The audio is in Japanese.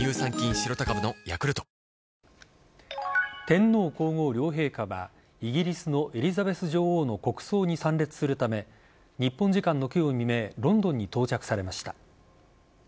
天皇皇后両陛下はイギリスのエリザベス女王の国葬に参列するため日本時間の今日未明ロンドンに到着されました。